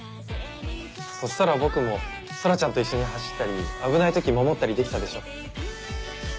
そしたら僕も空ちゃんと一緒に走ったり危ない時守ったりできたでしょ。